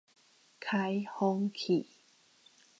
開風氣